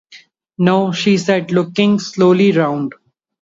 'No,’ she said, looking slowly round.